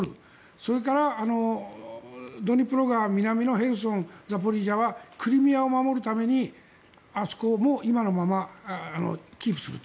それからドニプロ川南のヘルソン、ザポリージャはクリミアを守るためにあそこも今のままキープすると。